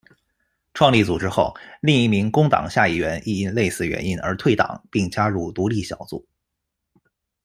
创立组织后，另一名工党下议员亦因类似原因而退党并加入独立小组。